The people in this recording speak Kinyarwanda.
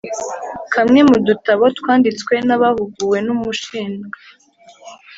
Kamwe mu dutabo twanditswe n’abahuguwe n’umushinga